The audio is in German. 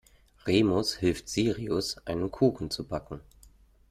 Remus hilft Sirius, einen Kuchen zu backen.